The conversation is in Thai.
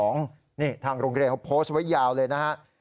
นี่ทางโรงเรียนเขาโพสต์ไว้ยาวเลยนะฮะ